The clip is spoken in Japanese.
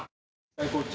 こっち。